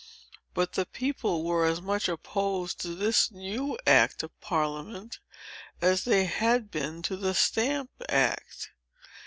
But the people were as much opposed to this new act of Parliament, as they had been to the Stamp Act.